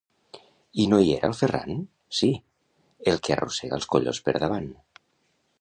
—I no hi era el Ferran? —Sí, el que arrossega els collons per davant!